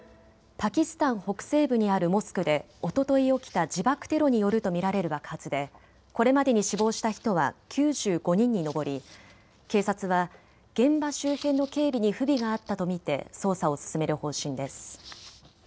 パキスタン北西部にあるモスクでおととい起きた自爆テロによると見られる爆発で、これまでに死亡した人は９５人に上り警察は現場周辺の警備に不備があったと見て捜査を進める方針です。